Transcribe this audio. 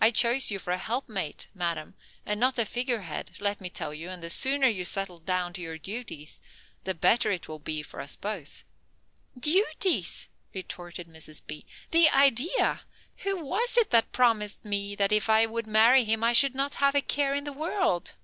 I chose you for a helpmate, madam, and not a figurehead, let me tell you, and the sooner you settle down to your duties the better it will be for us both." "Duties?" retorted Mrs. B., "the idea! Who was it that promised me that if I would marry him I should not have a care in the world?"